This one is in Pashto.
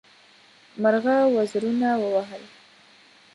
مرغه وزرونه ووهل.